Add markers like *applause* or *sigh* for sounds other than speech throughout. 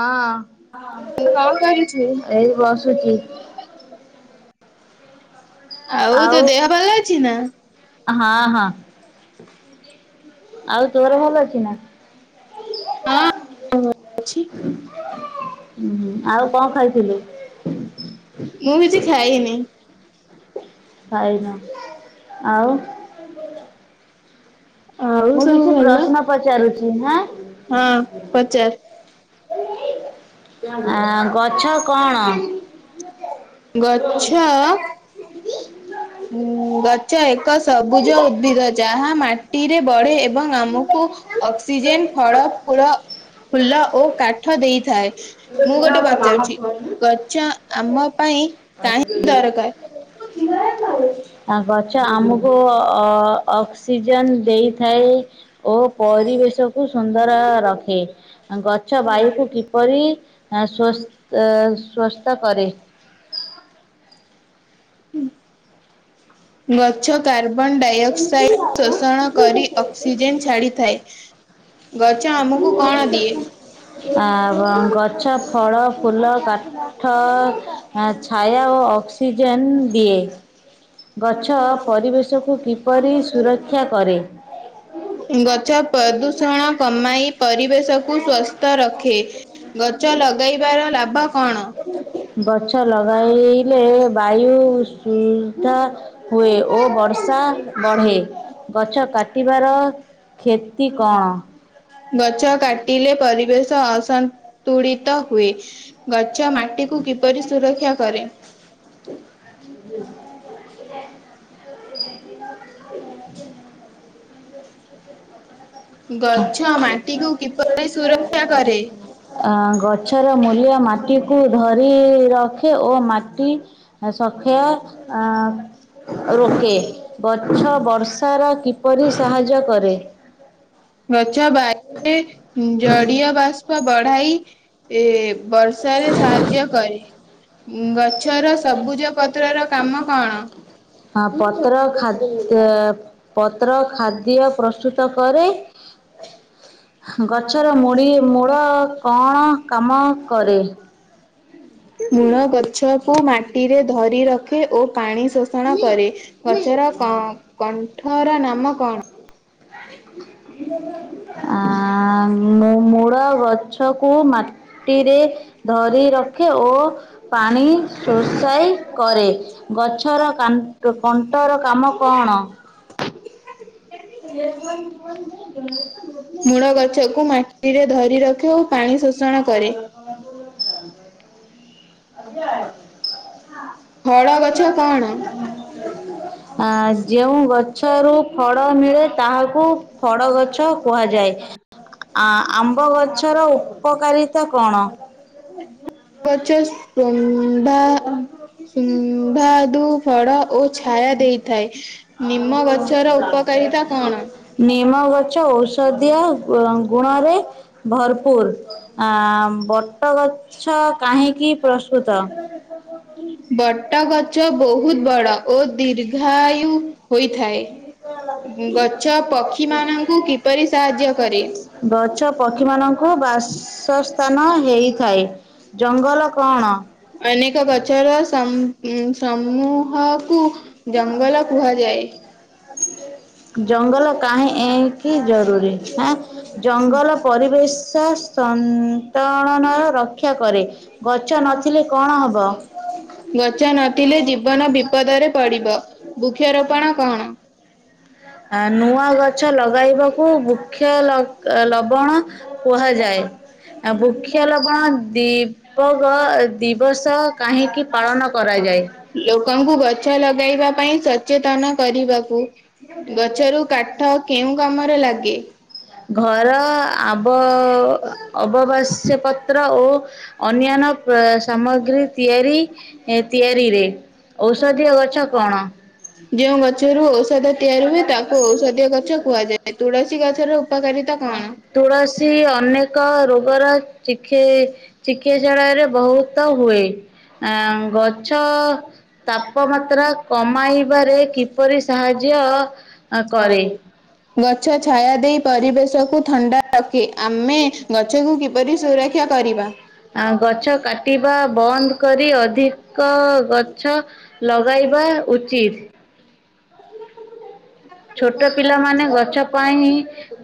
ହଁ। ହଁ *unintelligible* କଣ କରୁଛୁ? ଏଇ ବସୁଚି। ଆଉ ତୋ ଦେହ ଭଲ ଅଛି ନା? ହଁ ହଁ। ଆଉ ତୋର ଭଲ ଅଛି ନା? ହଁ ଅଛି। ହୁଁ। ଆଉ କଣ ଖାଇଥିଲୁ? ମୁଁ କିଛି ଖାଇନି। ଖାଇନି ଆଉ ହ *inaudible* ମୁଁ କିଛି ଭଲ? ପ୍ରଶ୍ନ ପଚାରୁଛି ହାଁ? ହଁ ପଚାର୍। ଆଁ ଗଛ କଣ? ଗଛ ଅ ଉଁ ଗ ଛ ଏକ ସବୁଜ ଉଦ୍ଭିଦ ଯାହା ମାଟିରେ ବଢ଼େ ଏବଂ ଆମକୁ ଅକ୍ସିଜେନ ଫଳ ଫୁଳ ଫୁଲ ଓ କାଠ ଦେଇଥାଏ। ମୁଁ ଗୋଟେ ପଚାରୁଛି ଗଛ ଆମ ପାଇଁ କାହିଁକ ଦରକାର? ଆ ଗଛ ଆମକୁ ଅ ଅକ୍ସିଜେନ୍ ଦେଇଥାଏ ଓ ପରିବେଶକୁ ସୁନ୍ଦର ରଖେ। ଗଛ ବାୟୁକୁ କିପରି ସ୍ୱସ୍ଥ୍ ସ୍ୱସ୍ଥ କରେ? ହୁଁ। ଡାଇଅକ୍ସାଇଡ ଶୋଷଣ କରି ଅକ୍ସିଜେନ ଛାଡିଥାଏ। ଗଛ ଆମକୁ କଣ ଦିଏ? *inaudible* ଆ ବ ଗଛ ଫଳ ଫୁଲ କା ଠ ଆଁ ଛାୟା ଓ ଅକ୍ସିଜେନ୍ ଦିଏ। ଗଛ ପରିବେଶକୁ କିପରି ସୁରକ୍ଷା କରେ? ଗଛ ପଦୂଷଣ କମାଇ ପରିବେଶ୍ ଶକୁ ସ୍ଵସ୍ଥ ରଖେ। ଗଛ ଲଗେଇବାର ଲାଭ କଣ? ଗଛ ଲଗାଇଲେ ବାୟୁ ସୁଦ୍ଧା ହୁଏ ଓ ବର୍ଷା ବଢ଼େ ଗଛ କାଟିବାର କ୍ଷେତି କଣ? ଗଛ କାଟିଲେ ପରିବେଶ ଅଶନ୍ ତୁଡ଼ିତ ହୁଏ। ଗଛ ମାଟିକୁ କିପରି ସୁରକ୍ଷା କରେ? *inaudible* *inaudible* ଗଛ ମାଟି କୁ କିପରି ସୁରକ୍ଷା କରେ? ଆ ଗଛର ମୂଲ୍ୟ ମାଟି କୁ ଧରି ରଖେ ଓ ମାଟି ଆଉ ସତ୍ୟ ଆ ରୋକେ। ଗଛ ବର୍ଷର କିପରି ସାହାଯ୍ୟ କରେ? ଗଛ ବାୟୁରେ ଜଡିୟ ବାଷ୍ପ ବଢାଇ ଏ ବର୍ଷାରେ ସାହାଯ୍ୟ କରେ। ଗଛର ସବୁଜ ପତ୍ରର କାମ କଣ? ହଁ ପତ୍ର ଖାଦ୍ ପତ୍ର ଖାଦ୍ୟ ପ୍ରସ୍ତୁତ କରେ ଗଛର ମୂଡି ମୂଳ କଅଣ କାମ କରେ? ମୂଳ ଗଛକୁ ମାଟିରେ ଧରି ରଖେ ଓ ପାଣି ଶୋଷ ଷଣ କରେ। ଗଛର କ କଣ୍ଠର ନାମ କଣ? ଆ ମୂ-ମୂଳ ଗଛକୁ କୁ ମାଟିରେ ଧରି ରଖେ ଓ ପାଣି ଶୋଷାଇ କରେ। ଗଛ ଛର କାନ୍ କଣ୍ଟର କାମ କଣ? ମୂଳ ଗଛକୁ ମାଟିରେ ଧରି ରଖେ ଓ ପାଣି ଶୋଷଣ କରେ। *inaudible* କଳ ଗଛ କଣ? ହୁଁ। ଆ ଯେଉଁ ଗଛରୁ ଫଡ ମିଳେ ତାହାକୁ ଫଡ ଗଛ କୁହାଯାଏ। ଆ-ଆମ୍ବ ଗଛର ଉପକାରିତା କଣ? ଗଛ *unintelligible* ସୁମ୍ଭାଦୁ ଫଳ ଓ ଛାୟା ଦେଇ ଉପକାରିତା କଣ? ନିମ ଗଛ ଔଷଧିୟ ଙ୍ଗ ଗୁଣରେ ଭରପୁର। ଆ ବଟଗ ଛ କାହିଁକି ପ୍ରସ୍ତୁତ? ବଟ ଗଛ ବହୁତ ବଡ ଓ ଦୀର୍ଘ ର୍ଘାୟୁ ହୋଇଥାଏ। ଗଛ ପକ୍ଷୀ ମାନଙ୍କୁ କିପରି ସାହାଯ୍ୟ କରେ? *inaudible* ଗଛ ପକ୍ଷୀମାନଙ୍କୁ ବାସସ୍ଥାନ ହେଇଥାଏ। ଜଙ୍ଗଲ କଅଣ? ଅନେକ ଗଛର ସମୂ ସମୂହକୁ ଜଙ୍ଗଲ କୁହାଯାଏ। ଜଙ୍ଗଲ କାହିଁକି ଜରୁୁରୀ ଆଁ? ଜଙ୍ଗଲ ପରିବେଶ ସନ୍ତଳଣନର ରକ୍ଷା କରେ। ଗଛ ନଥିଲେ କଣ ହବ? ଗଛ ନଥିଲେ ଜୀବନ ବିପଦରେ ପଡିବ। ବୃକ୍ଷରୋପଣ କଅଣ? ଆ ନୂଆ ଗଛ ଲଗାଇବାକୁ ବୃକ୍ଷ ଲ ଅ ଲବଣ କୁହାଯାଏ। ଆ ବୃକ୍ଷ ଲବଣ ଦି ଦିପଗ ଦିବସ କାହିଁକି ପାଳନ କରାଯାଏ? ଲୋକଙ୍କୁ ଗଛ ଲଗାଇବା ପାଇଁ ସଚେତନ କରିବାକୁ। ଗଛରୁ କାଠ କେଉଁ କାମରେ ଲାଗେ? ଘର ଆବ ଅବବାସ୍ୟ ପତ୍ର ଓ ଅନ୍ୟାନ୍ୟ ସାମଗ୍ରୀ ତିଆରି, ଏ ତିଆରିରେ। ଔଷଧୀୟ ଗଛ କଅଣ? ଯେଉଁ ଗଛରୁ ଔଷଧ ତିଆରି ହୁଏ, ତାକୁ ଔଷଧୀୟ ଗଛ କୁହାଯାଏ। ତୁଳସୀ ଗଛର ଉପକାରିତା କଅଣ? ତୁଳସୀ ଅନେକ ରୋଗର ଚିଖି ଚିକିତ୍ସାଳୟରେ ବହୁତ ହୁଏ। ଆଁ ଗଛ ତାପମାତ୍ରା କମାଇବାରେ କିପରି ସାହାଯ୍ୟ ଅ କରେ? ଗଛ ମୋତେ ଛାୟା ଦେଇ ଖାଇବା ପରିବେଶକୁ ଥଣ୍ଡା ରଖେ। ଆମେ ପାଇଁ *inaudible* ଗଛକୁ କିପରି ନା *inaudible* ସୁରକ୍ଷା କରିବା। ଆଉ ଗଛ କାଟିବା ବନ୍ଦ କରି ଅଧିକ ଗଛ ଲଗାଇବା ଉଚିତ। ଛୋଟ ପିଲାମାନେ ଗଛ ପାଇଁ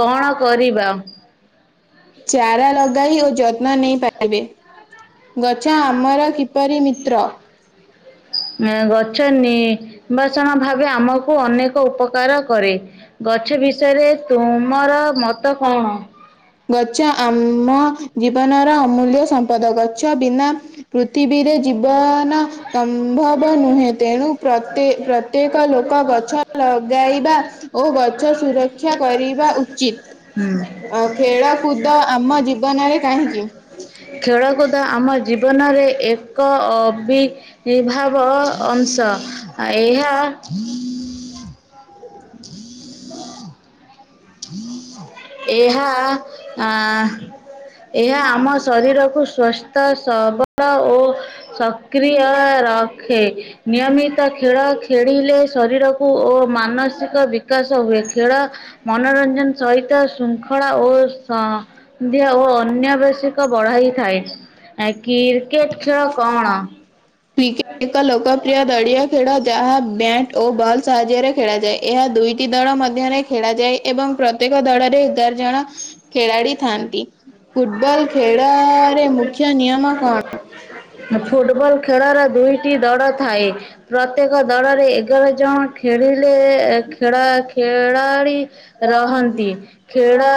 କଣ କରିବ? ଚାରା ଲଗାଇ ଓ ଯତ୍ନ ନେଇପାରିବେ। ଗଛ ଆମର କିପରି ମିତ୍ର? ହଁ ଏ ଗଛ ନିବାସଣ ଭାବେ ଆମକୁ ଅନେକ ଉପକାର କରେ। ଗଛ ବିଷୟରେ ତୁମୋର ମତ କଣ? ଗଛ ଆମ ଜୀବନର ଅମୂଲ୍ୟ ସମ୍ପଦ। ଗଛ ବିନା ପୃଥିବୀରେ ଜୀବନ ସମ୍ଭବ ନୁହେଁ, ତେଣୁ ପ୍ରତେ ପ୍ରତ୍ୟେକ ଲୋକ ଗଛ ଲଗାଇବା ଓ ଗଛ ସୁରକ୍ଷା କରିବା ଉଚିତ। ଓ ଖେଳ କୁଦ ଆମ ଜୀବନରେ କାହିଁକି? ଖେଳକୁଦ ଆମ ଜୀବନରେ ଏକ ଅବି ଇଭାବ ଅଂଶ ଏହା ଏହା ଆ, ଏହା ଆମ ଶରୀରକୁ ସ୍ବସ୍ଥ, ସବଳ ଓ ଶ କ୍ରିୟ ରଖେ। ନିୟମିତ ଖେଳ ଖେଳିଲେ ଶରୀର କୁ ଓ ମାନସିକ ବିକାଶ ହୁଏ। ଖେଳ ମନୋରଞ୍ଜନ ସହିତ ଶୃଙ୍ଖଳା ଓ ସ ନ୍ଧ୍ୟା ଓ ଅନ୍ୟାବଶ୍ୟକ ବଢାଇଥାଏ। ଆ, କ୍ରିକେଟ୍ ଖେଳ କଣ? କି ଏକ ଲୋକପ୍ରିୟ ଦଳୀୟ ଖେଳ ଯାହା ବ୍ୟା ଟ ଓ ବଲ୍ ସାହାଯ୍ୟରେ ଖେଳାଯାଏ। ଏହା ଦୁଇଟି ଦଳ ମଧ୍ୟରେ ଖେଳାଯାଏ। ଏବଂ ପ୍ରତ୍ୟେକ ଦଳରେ ଏଗାର ଜଣ ଖେଳାଳି ଥାଆନ୍ତି। ଫୁଟବଲ୍ ଖେଳରେ ମୁ ଖ୍ୟ ନିୟମ କଣ? ହେ ଫୁଟବଲ୍ ଖେଳର ଦୁଇଟି ଦଳ ଥାଏ। ପ୍ରତ୍ୟେକ ଦଳରେ ଏଗାର ଜଣ ଖେଳିଲେ ଏ ଖେଳ ଖେଳାଳି ରହନ୍ତି। ଖେ ଖେଳ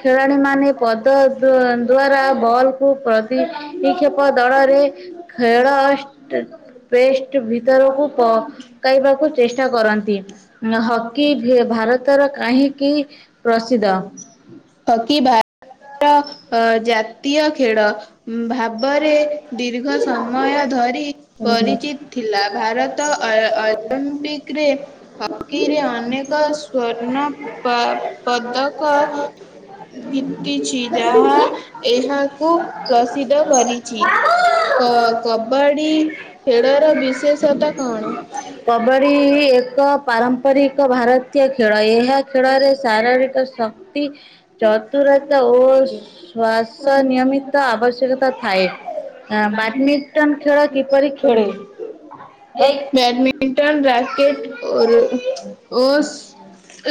ଖେଳାଳିମାନେ ପଦ ଦୁଅ ଦ୍ବାରା ବଲ କୁ ପ୍ରତି ଏହି କ୍ଷେପ ଦଳରେ ଖେଳ ଷ୍ଟେ ପେଷ୍ଟ ଭିତରକୁ ପକାଇବାକୁ ଚେଷ୍ଟା କରନ୍ତି। ନା ହକି ଭେ- ଭାରତର କାହିଁକି ପ୍ରସିଦ୍ଦ? ହକି ଭା ତ ଅ, ଜାତୀୟ ଖେଳ ଭାବରେ ଦୀର୍ଘ ସମୟ ଧରି ପରିଚିତ ଥିଲା ଭାରତ ଅଳ ଅଲମ୍ପିକରେ ହକିରେ ଅନେକ ସ୍ଵର୍ଣ୍ଣ ପ-ପଦକ ଜିତିଛି ଯାହା ଏହାକୁ ପ୍ରସିଦ୍ଧ କରିଛି। କ- କବାଡି ଖେଳର ବିଶେଷତ୍ବ କଣ? କବାଡି ଏକ ପାରମ୍ପରିକ ଭାରତୀୟ ଖେଳ। ଏହା ଖେ ଳରେ ଶାରରିକ ଶକ୍ତି ଚତୁରତା ଓ ଶ୍ଵାସ ନିୟମିତ ଆବଶ୍ୟକତା ଥାଏ। ଆ, ବାଡମିଣ୍ଟନ ଖେଳ କିପରି ଖେଳେ? ଏଇ ମିଣ୍ଟନ ରାକେଟ୍ ଓ ରୁ ଓ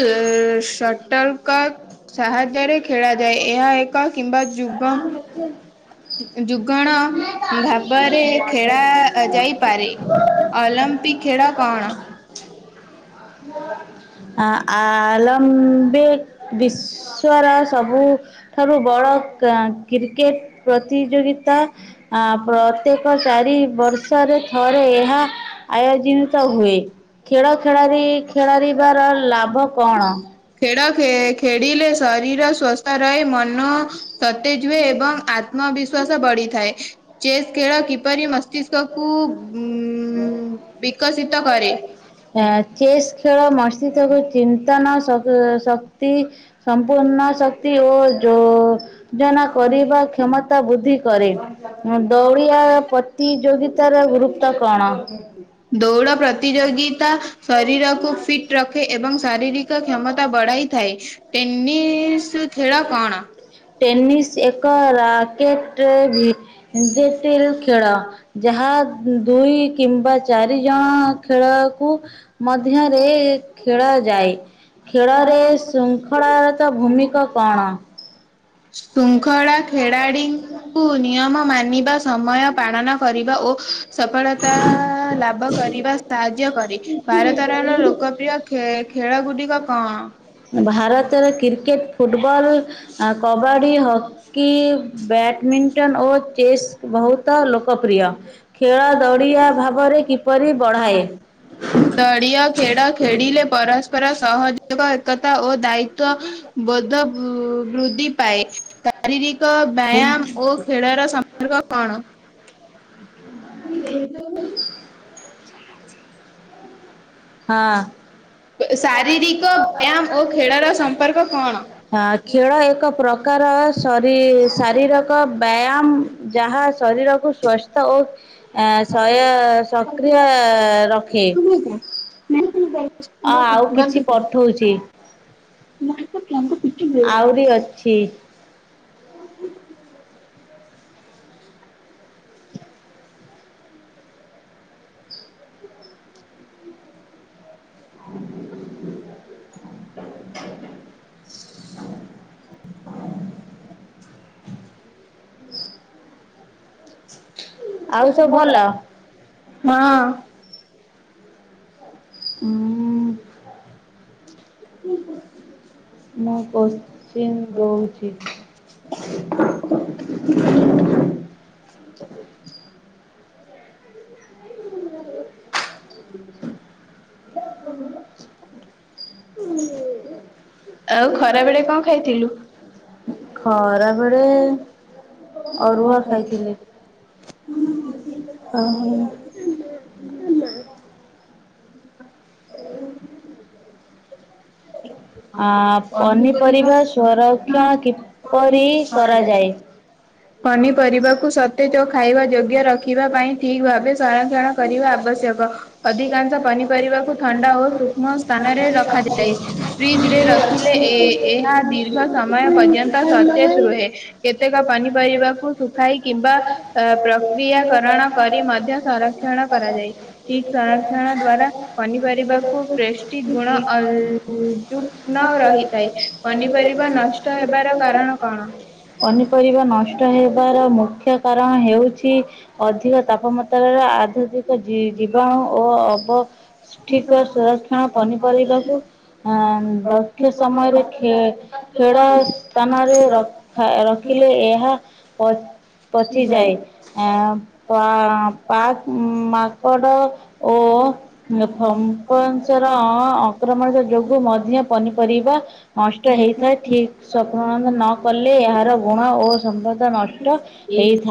ଏ ସଟଲ କକ୍ ସାହାଯ୍ୟରେ ଖେଳାଯାଏ। ଏହା ଏକ କିମ୍ବା ଯୁଗ *inaudible* ଯୁଗଣ ଭାବରେ ଖେଳା ଯାଇପାରେ। ଅଲମ୍ପିକ୍ ଖେଳ କଣ? ଆ ଆଲମ୍ବ ବିଶ୍ୱର ସବୁ ଠାରୁ ବଡ କ କ୍ରିକେଟ ପ୍ରତିଯୋଗିତା ଆ ପ୍ରତ୍ୟେକ ଚାରି ବର୍ଷରେ ଥରେ ଏହା ଆୟୋଜିତ ହୁଏ। ଖେଳ ଖେଳ ଖେଳିବାର ଲାଭ କଣ? ଖେଳ ଖେଳିଲେ ଶରୀର ସ୍ଵସ୍ଥ ରହେ ମନ ସତେଜ ହୁଏ ଏବଂ ଆତ୍ମବିଶ୍ଵାସ ବଢିଥାଏ। ଚେସ୍ ଖେଳ କିପରି ମସ୍ତିଷ୍କକୁ ଉ ବିକଶିତ କରେ। ଆ ଚେସ୍ ଖେଳ ମସ୍ତିଷ୍କ କୁ ଚିନ୍ତନ ସବୁ ସ କ୍ତୀ ସମ୍ପୂର୍ଣ୍ଣ ଶକ୍ତି ଓ ଯଉ ଯଜନା କରିବା କ୍ଷମତା ବୃଦ୍ଧି କରେ। ଦଉଡିବା ପ୍ରତିଯୋଗିତାର ଗୁରୁତ୍ବ କଣ? ଦୌଡ଼ ପ୍ରତିଯୋଗିତା ଶରୀରକୁ ଫିଟ୍ ରଖେ ଏବଂ ଶାରୀରିକ କ କ୍ଷମତା ବଢାଇଥାଏ। ଟେନିସ ଖେଳ କଣ? ଟେନିସ ଏକ ରାକେଟରେ ଜ *unintelligible* ଖେଳ। ଯାହା ଦୁଇ କିମ୍ବା ଚାରି ଜଣ ଖେଳକୁ ମଧ୍ୟରେ ଖେଳାଯାଏ। ଖେଳରେ ଶୃଙ୍ଖଳାରତ ଭୂମିକା କଣ? ଶୃଙ୍ଖଳା ଖେଳାଳିଙ୍କୁ ନିୟମ ମାନ ଆଣିବା ସମୟ ପାଳନ କରିବା ଓ ସଫଳତା ଲାଭ କରିବା କରିବା ସାହାଯ୍ୟ କରେ। ଭାରତରର ଲୋକପ୍ରିୟ ଖେ ଖେଳ ଗୁଡିକ କଣ? ଭାରତରେ କ୍ରିକେଟ ଫୁଟବଲ୍ ଅ କବା ବାଡ଼ି ହକି ବ୍ୟାଡମିଣ୍ଟନ ଓ ଚେସ୍ ବହୁତ ଲୋକପ୍ରିୟ। ଖେଳ ଦଡ଼ିଆ ଭାବରେ କିପରି ବଢ଼ାଏ? *inaudible* ଦଳୀୟ ଖେଳ ଖେଳିଲେ ପରସ୍ପର ସହଯୋଗ ଏକତା ଓ ଦାୟିତ୍ୱ ବୋଧ ବୂ ବୃଦ୍ଧି ପାଏ। ଶାରୀରିକ ବ୍ୟାୟାମ ଓ ଖେଳର ଳ କଣ? *unintelligible* ହଁ। ଶାରୀରିକ ବ୍ୟାୟାମ ଓ ଖେଳର ସମ୍ପର୍କ କଣ? ହଁ ଖେଳ ଏକ ପ୍ରକାର ଶରି ଶାରୀରିକ ବ୍ୟାୟାମ ଯାହା ଶରୀରକୁ ସୁସ୍ଥ ଓ ଏ ଶୟ ସକ୍ରିୟ ରଖେ। ଅ ଆଉ କିଛି *unintelligible* ପଠଉଛି *unintelligible* ଟି। *inaudible* *inaudible* *inaudible* ଆଉ ସବୁ ଭଲ? ହଁ। ଉଁ ମୁଁ କୋଶ୍ଚିନ୍ ଦଉଛି। *inaudible* *inaudible* ଆଉ ଖରା ବେଳେ କଣ ଖାଇଥିଲୁ? *inaudible* ଖରାବେଳେ *unintelligible* ଅ ପନିପରିବା ସଂରକ୍ଷଣ କିପରି କରାଯାଏ? ପନିପରିବାକୁ ସତେଜ ଖାଇବା ଯୋଗ୍ୟ ରଖିବା ପାଇଁ ଠିକ ଭାବେ ସଂରକ୍ଷଣ କରିବା ଆବଶ୍ୟକ। ଅଧିକାଂଶ ପନିପରିବାକୁ ଥଣ୍ଡା ଓ ସୂକ୍ଷ୍ମ ସ୍ଥାନରେ ରଖାଯାଏ। ଫ୍ରିଜ ରେ ରଖିଲେ ଏ ଏହା ଦୀର୍ଘ ସମୟ ପର୍ଯ୍ୟନ୍ତ ସତେଜ ରୁହେ। କେତେକ ପାନିପାରିବାକୁ ଶୁଖାଇ କିମ୍ବା ଅ ପ୍ରକ୍ରିୟାକରଣ କରି ମଧ୍ୟ ସଂରକ୍ଷଣ କରାଯାଏ। ଠିକ ସଂରକ୍ଷଣ ଦ୍ଵାରା ପନିପରିବାକୁ୍ ଟେଷ୍ଟି ଗୁଣ ଅ ଯୁକ୍ଣ ରହିଥାଏ ପନିପରିବା ନଷ୍ଟ ହେବାର କାରଣ କଣ? ପନିପରିବା ନଷ୍ଟ ହେବାର ମୁଖ୍ୟ କାରଣ ହେଉଛି ଅଧିକ ତାପମାତ୍ରାର ଆଧୁନିକ ଜୀବାଣୁ ଓ ଅବ ଠିକ ସୁରକ୍ଷଣ ପନିପରିବାକୁ ଆ ଦକ୍ଷ ସମୟରେ ଖେ ଖେଡ଼ ସ୍ଥାନରେ ର ରଖିଲେ ଏହା ପ ପଚିଯାଏ। ଆ ପା ପାକ ମାକଡ ଓ ଫମ୍ପସର ଅ ଅକ୍ରମଣ ଯୋଗୁ ମଧ୍ୟ ପନିପରିବା ନଷ୍ଟ ହେଇଥାଏ, ଠିକ *unintelligible* ନ କଲେ ଏହାର ଗୁଣ ଓ ସମ୍ବଦ ନଷ୍ଟ ହେଇଥା